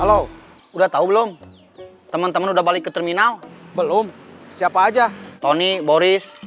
halo good tanggung lu dah tahu belum teman teman udah balik ke terminal belum siapa aja tony boris